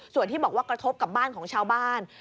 ส่วนที่บอกว่ากระทบกับบ้านของชาวบ้าน